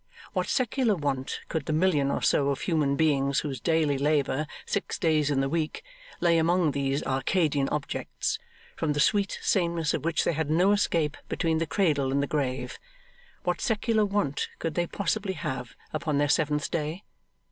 What secular want could the million or so of human beings whose daily labour, six days in the week, lay among these Arcadian objects, from the sweet sameness of which they had no escape between the cradle and the grave what secular want could they possibly have upon their seventh day?